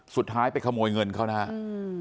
สุดท้ายไปขโมยเงินเขานะฮะ